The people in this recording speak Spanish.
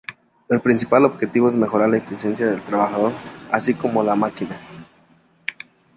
El principal objetivo es mejorar la eficiencia del trabajador así como de la máquina.